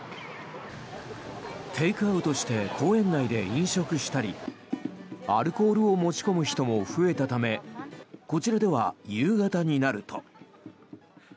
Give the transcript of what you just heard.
テイクアウトして公園内で飲食したりアルコールを持ち込む人も増えたためこちらでは夕方になると。